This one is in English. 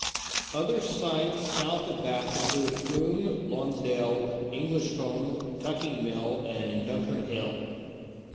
Other sites south of Bath included Frome, Lonsdale, Englishcombe, Tucking Mill and Duncorn Hill.